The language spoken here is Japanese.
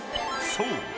［そう。